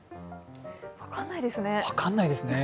分かんないですね。